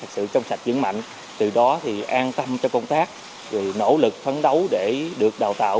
sự trong sạch dưỡng mạnh từ đó an tâm trong công tác nỗ lực phấn đấu để được đào tạo